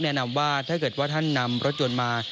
แนะนำว่าถ้าเกิดว่าท่านนำรถยนต์มา